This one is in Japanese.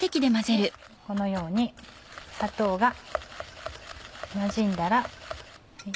このように砂糖がなじんだら。